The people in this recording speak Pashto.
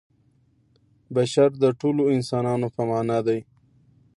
بشر د ټولو انسانانو په معنا دی.